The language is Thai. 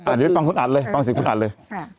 อันนี้ฟังคุณอัดเลยฟังสิทธิ์คุณอัดเลย